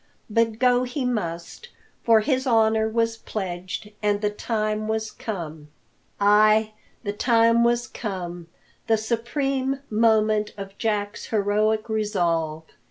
But go he must, for his honour was pledged, and the time was come! Ay, the time was come the supreme moment of Jack's heroic resolve.